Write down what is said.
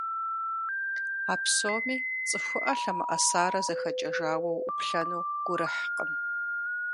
А псоми цӀыхуӀэ лъэмыӀэсарэ зэхэкӀэжауэ уӀуплъэну гурыхькъым.